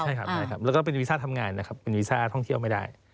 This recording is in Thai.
ใช่ครับใช่ครับแล้วก็เป็นวีซ่าทำงานนะครับเป็นวีซ่าท่องเที่ยวไม่ได้